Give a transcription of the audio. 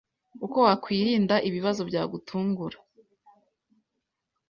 Uko wakwirinda ibibazo byagutungura